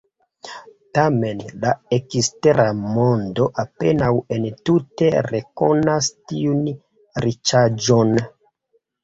Tamen la ekstera mondo apenaŭ entute rekonas tiun riĉaĵon.